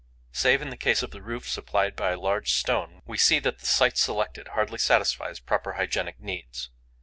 Save in the case of the roof supplied by a large stone, we see that the site selected hardly satisfies proper hygienic needs.